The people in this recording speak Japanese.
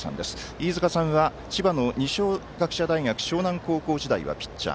飯塚さんは、千葉の二松学舎大学付属沼南高校時代はピッチャー。